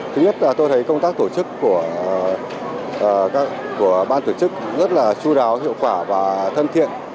thứ nhất là tôi thấy công tác tổ chức của ban tổ chức rất là chú đáo hiệu quả và thân thiện